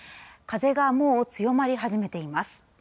風がもう強まり始めています。